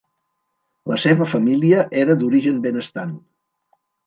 La seva família era d'origen benestant.